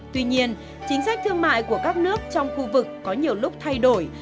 tuy nhiên chính sách thương mại của các nước trong khu vực có nhiều lúc thay đổi